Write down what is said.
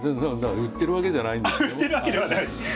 売ってるわけじゃないんですよ。